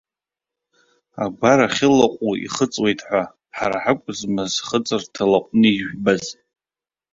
Агәара ахьылаҟәу ихыҵуеит ҳәа, ҳара ҳакәызма зхыҵырҭа лаҟәны ижәбаз!